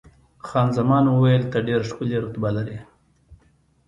خان زمان وویل، ته ډېره ښکلې رتبه لرې.